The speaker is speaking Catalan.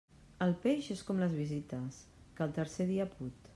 El peix és com les visites, que al tercer dia put.